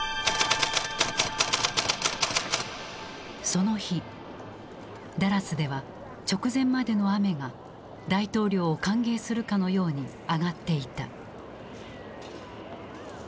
その日ダラスでは直前までの雨が大統領を歓迎するかのように上がっていた。